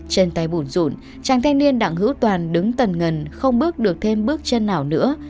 trên tay buồn rụn chàng thanh niên đặng hữu toàn đứng tần ngần không bước được thêm bước chân nào nữa